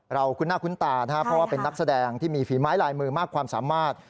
คุ้นหน้าคุ้นตานะครับเพราะว่าเป็นนักแสดงที่มีฝีไม้ลายมือมากความสามารถ